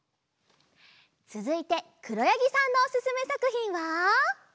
つづいてくろやぎさんのおすすめさくひんは。